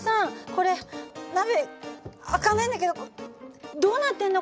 これ鍋開かないんだけどどうなってんの？